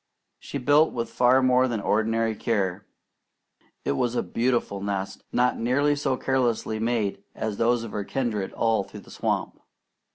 She built with far more than ordinary care. It was a beautiful nest, not nearly so carelessly made as those of her kindred all through the swamp.